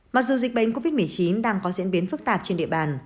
mặc dù dịch bệnh covid một mươi chín đang có diễn biến phức tạp trên địa bàn